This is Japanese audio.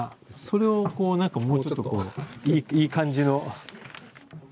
それをこう何かもうちょっといい感じの。